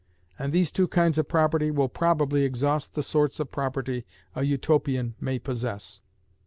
And these two kinds of property will probably exhaust the sorts of property a Utopian may possess.